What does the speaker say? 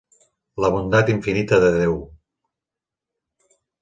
La bondat infinita de Déu.